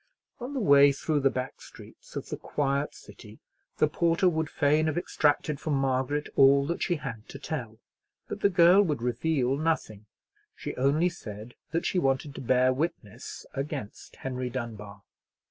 On the way through the back streets of the quiet city the porter would fain have extracted from Margaret all that she had to tell. But the girl would reveal nothing; she only said that she wanted to bear witness against Henry Dunbar.